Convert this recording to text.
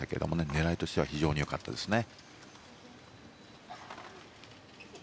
狙いとしては非常に良かったですね。